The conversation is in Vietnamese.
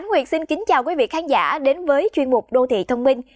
anh nguyệt xin kính chào quý vị khán giả đến với chuyên mục đô thị thông minh